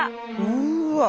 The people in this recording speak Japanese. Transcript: うわ！